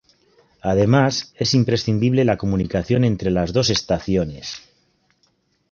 Además, es imprescindible la comunicación entre las dos estaciones.